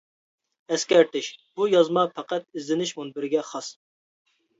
ئەسكەرتىش: بۇ يازما پەقەت ئىزدىنىش مۇنبىرىگە خاس.